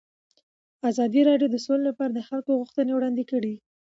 ازادي راډیو د سوله لپاره د خلکو غوښتنې وړاندې کړي.